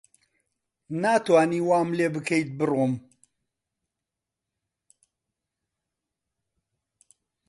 ناتوانی وام لێ بکەیت بڕۆم.